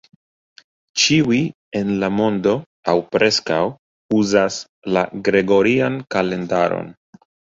Ĉiuj en la mondo, aŭ preskaŭ, uzas la gregorian kalendaron.